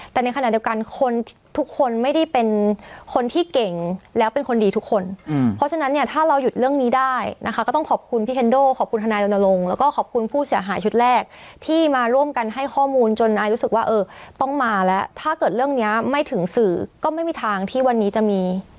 แต่ในขณะเดียวกันคนทุกคนไม่ได้เป็นคนที่เก่งแล้วเป็นคนดีทุกคนเพราะฉะนั้นเนี่ยถ้าเราหยุดเรื่องนี้ได้นะคะก็ต้องขอบคุณพี่แคนโดขอบคุณทนายรณรงค์แล้วก็ขอบคุณผู้เสียหายชุดแรกที่มาร่วมกันให้ข้อมูลจนอายรู้สึกว่าเออต้องมาแล้วถ้าเกิดเรื่องนี้ไม่ถึงสื่อก็ไม่มีทางที่วันนี้จะมี